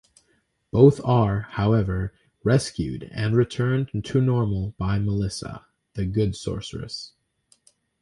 Both are, however, rescued and returned to normal by Melissa, the good sorceress.